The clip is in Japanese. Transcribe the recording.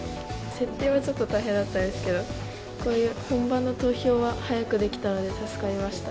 設定はちょっと大変だったんですけど、本番の投票は早くできたので、助かりました。